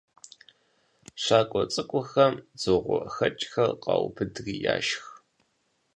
«ЩакӀуэ цӀыкӀухэм» дзыгъуэхэкӀхэр къаубыдри яшх.